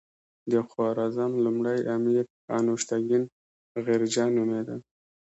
د خوارزم لومړی امیر انوشتګین غرجه نومېده.